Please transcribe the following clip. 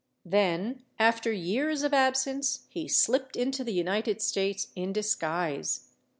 Then, after years of absence, he slipped into the United States in disguise.